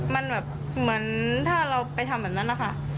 มันแบบเหมือนถ้าเราไปทำแบบนั้นนะคะ